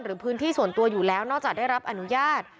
พื้นที่ส่วนตัวอยู่แล้วนอกจากได้รับอนุญาต